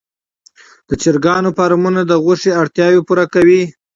د چرګانو فارمونه د غوښې اړتیا پوره کوي.